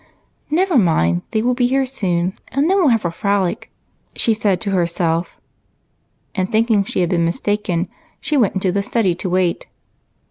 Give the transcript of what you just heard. " Never mind, they will be here soon, and then we '11 have a frolic," she said to herself, and thinking she had been mistaken she went into the study to wait.